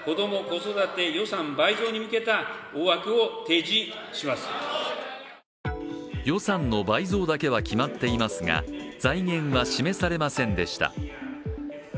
更に予算の倍増だけは決まっていますが財源は示されませんでした。